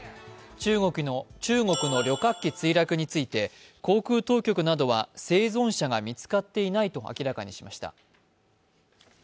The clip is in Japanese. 中国の旅客機墜落について航空当局などは生存者が見つかっていないと明らかにしました。